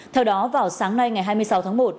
theo đó vào sáng nay ngày hai mươi sáu tháng một